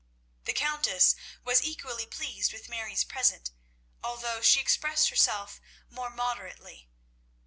The Countess was equally pleased with Mary's present, although she expressed herself more moderately.